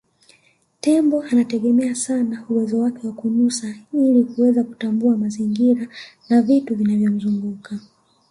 Tembo anategemea sana uwezo wake wa kunusa ili kuweza kutambua mazingira na vitu vinavyomzunguka